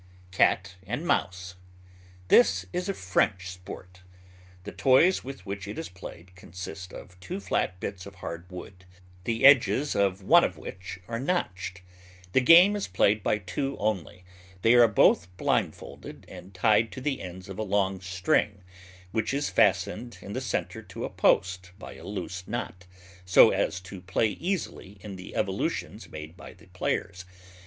CAT AND MOUSE. This is a French sport. The toys with which it is played consist of two flat bits of hard wood, the edges of one of which are notched. The game is played by two only; they are both blindfolded and tied to the ends of a long string, which is fastened in the centre to a post, by a loose knot, so as to play easily in the evolutions made by the players.